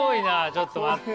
ちょっと待って。